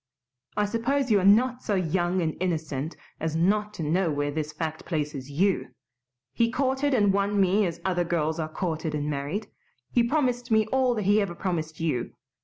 I suppose you are not so young and innocent as not to know where this fact places YOU. He courted and won me as other girls are courted and married. He promised me all that he ever promised you.